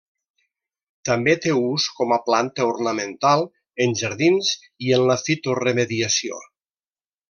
També té ús com a planta ornamental en jardins i en la fitoremediació.